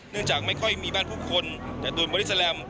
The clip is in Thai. เนื่องจากไม่ค่อยมีบ้านผู้คนแต่ตุลบอลิสาลัม